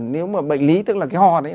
nếu mà bệnh lý tức là cái ho đấy